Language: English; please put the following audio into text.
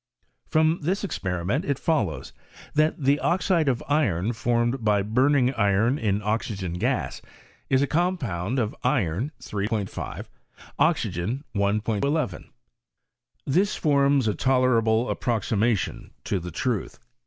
From this experiment it follows, that the oxide of iron formed by burning iron in oxygen gas is a compound of Iron 3*5 Oxygen I'll This forms a tolerable approximation to the truth.